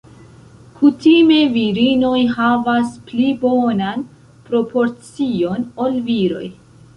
Kutime virinoj havas pli bonan proporcion ol viroj.